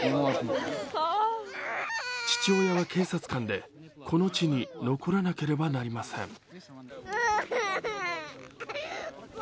父親は警察官でこの地に残らなければなりません。